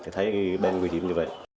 thấy bên người dân như vậy